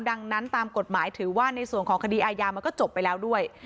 ดังนั้นตามกฎหมายถือว่าในส่วนของคดีอาญามันก็จบไปแล้วด้วย